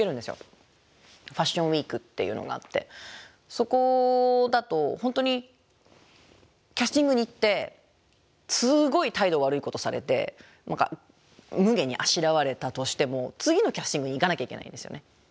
そこだと本当にキャスティングに行ってすごい態度悪いことされて何かむげにあしらわれたとしても次のキャスティングに行かなきゃいけないんですよね。